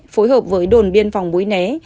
phối hợp với đồn biên phòng mũi né